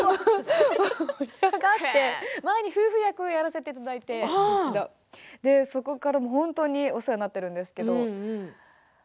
前に夫婦役をやらせていただいてそこから本当にお世話になっているんですけど。